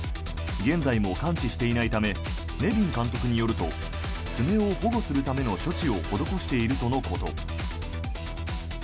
現在も完治していないためネビン監督によると爪を保護するための処置を施しているとのこと。